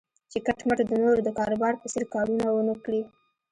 چې کټ مټ د نورو د کاروبار په څېر کارونه و نه کړي.